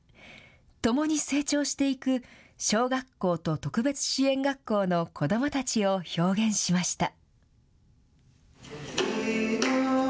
共に成長していく、小学校と特別支援学校の子どもたちを表現しました。